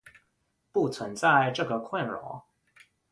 不存在这个困扰。